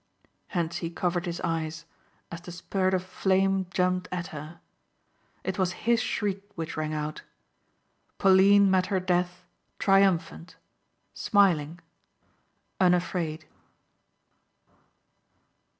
Hentzi covered his eyes as the spurt of flame jumped at her. It was his shriek which rang out. Pauline met her death, triumphant, smiling, unafraid.